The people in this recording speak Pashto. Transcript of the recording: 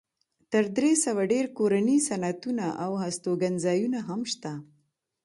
تر درې سوه ډېر کورني صنعتونه او هستوګنځایونه هم شته.